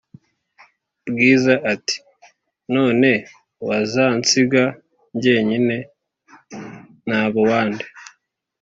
Bwiza ati"none wazansiga njyenyine naba uwande?"